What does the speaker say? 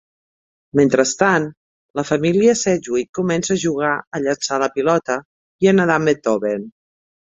Mentrestant, la família Sedgewick comença a jugar a llençar la pilota i a nedar amb Beethoven.